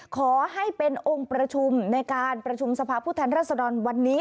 ขอให้เป็นองค์ประชุมในการประชุมสภาพผู้แทนรัศดรวันนี้